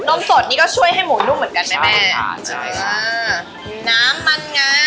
นมสดนี่ก็ช่วยให้หมูนุ่มเหมือนกันไหมแม่ใช่ค่ะใช่ค่ะอ่าน้ำมันงา